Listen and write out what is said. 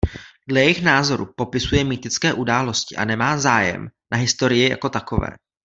Dle jejich názoru popisuje mýtické události a nemá zájem na historii jako takové.